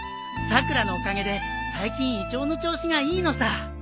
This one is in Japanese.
さくらのおかげで最近胃腸の調子がいいのさ。